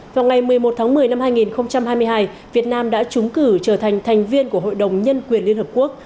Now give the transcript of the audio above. vào ngày một mươi một tháng một mươi năm hai nghìn hai mươi hai việt nam đã trúng cử trở thành thành viên của hội đồng nhân quyền liên hợp quốc